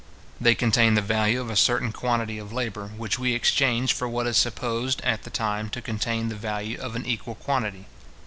They contain the value of a certain quantity of labour, which we exchange for what is supposed at the time to contain the value of an equal quantity.